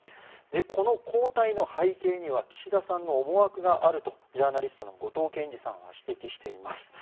この交代の背景には岸田さんの思惑があるとジャーナリストの後藤謙次さんは指摘しています。